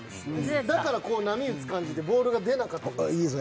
だからこう波打つ感じでボールが出なかったんです。